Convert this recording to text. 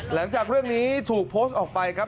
หลังจากเรื่องนี้ถูกโพสต์ออกไปครับ